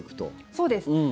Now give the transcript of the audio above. そうです。